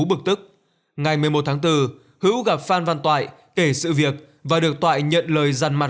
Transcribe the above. bực tức ngày một mươi một tháng bốn hữu gặp phan văn toại kể sự việc và được toại nhận lời răn mặt